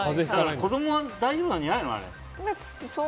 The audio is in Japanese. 子供は大丈夫なんじゃないの？